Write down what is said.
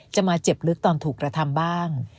จะมาเจ็บลึกตอนถูกรธรรมบ้าง